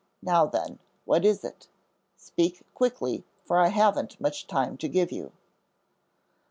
"Now then, what is it? Speak quickly, for I haven't much time to give you."